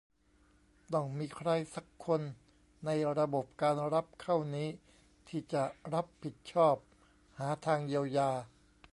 ต้องมีใครสักคนในระบบการรับเข้านี้ที่จะรับผิดชอบหาทางเยียวยา